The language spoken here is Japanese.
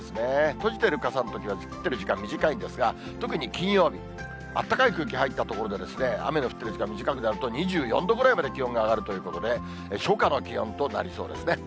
閉じてる傘のときは、降ってる時間が短いんですが、特に金曜日、あったかい空気入ったところで、雨の降ってる時間、短くなると２４度ぐらいまで気温が上がるということで、初夏の気温となりそうですね。